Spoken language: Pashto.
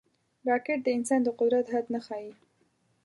راکټ د انسان د قدرت حد نه ښيي